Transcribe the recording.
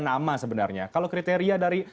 nama sebenarnya kalau kriteria dari